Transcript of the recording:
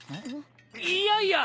いやいや！